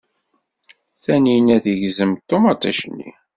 Tanina tegzem ṭumaṭic-nni.